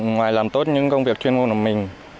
ngoài làm tốt những công việc chuyên môn của mình